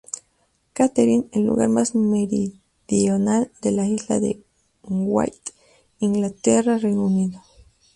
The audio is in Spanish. Catherine, el lugar más meridional de la isla de Wight, Inglaterra, Reino Unido.